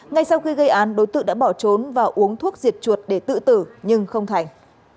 ngay sau khi gây án đối tượng đã bỏ trốn và uống thuốc diệt chuột để tự tử nhưng không thành